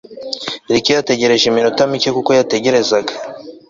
Rick yategereje iminota mike kuko yatekerezaga